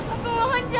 aku mohon jangan